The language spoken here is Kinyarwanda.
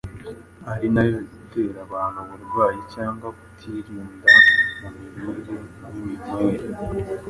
ari nayo itera abantu uburwayi cyangwa kutirinda mu mirire n’iminywere.